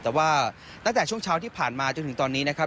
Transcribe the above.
แต่ว่าตั้งแต่ช่วงเช้าที่ผ่านมาจนถึงตอนนี้นะครับ